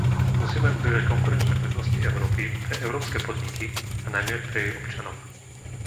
Musíme udržať konkurenčné prednosti Európy pre európske podniky a najmä pre jej občanov.